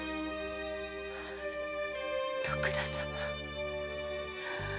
徳田様。